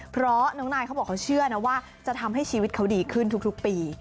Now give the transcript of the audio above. เพราะน้องนายเขาบอกเขาเชื่อนะว่าจะทำให้ชีวิตเขาดีขึ้นทุกปี